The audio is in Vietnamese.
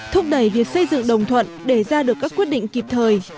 thúc đẩy việc xây dựng đồng thuận để ra được các quyết định kịp thời